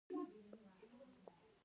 د هرات په کرخ کې د ډبرو سکاره شته.